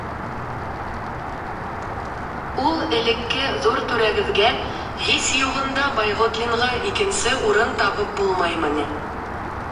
Ул элекке ҙур түрәгеҙгә, һис юғында Байғотлинға икенсе урын табып булмаймы ни?